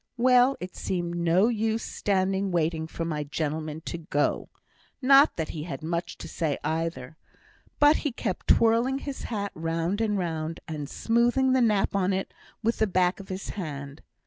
Well! it seemed no use standing waiting for my gentleman to go; not that he had much to say either; but he kept twirling his hat round and round, and smoothing the nap on't with the back of his hand.